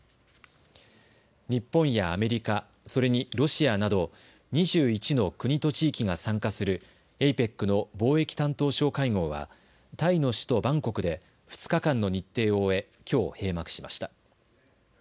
日本やアメリカ、それにロシアなど２１の国と地域が参加するＡＰＥＣの貿易担当相会合はタイの首都バンコクで２日間の日程を終えきょう閉幕しました。